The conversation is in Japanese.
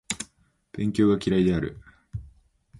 勉強が嫌いである